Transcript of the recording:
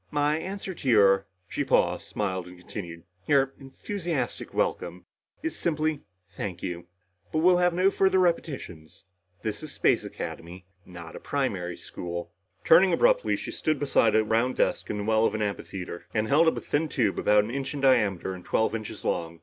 "My answer to your " she paused, smiled and continued, "your enthusiastic welcome is simply thank you. But we'll have no further repetitions. This is Space Academy not a primary school!" Turning abruptly, she stood beside a round desk in the well of an amphitheater, and held up a thin tube about an inch in diameter and twelve inches long.